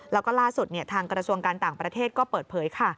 แล้วก็ล่าสุดทางกระทรวงการต่างประเทศก็เปิดเผยค่ะ